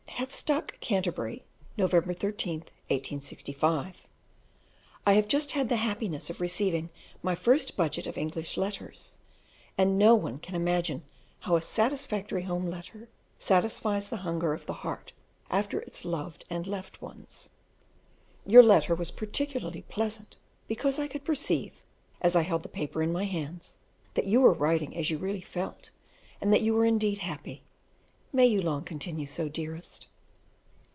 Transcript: Heathstock, Canterbury, November 13th, 1865. I have just had the happiness of receiving my first budget of English letters; and no one can imagine how a satisfactory home letter satisfies the hunger of the heart after its loved and left ones. Your letter was particularly pleasant, because I could perceive, as I held the paper in my hands, that you were writing as you really felt, and that you were indeed happy. May you long continue so, dearest.